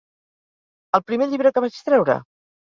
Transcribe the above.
El primer llibre que vaig treure?